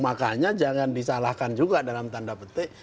makanya jangan disalahkan juga dalam tanda petik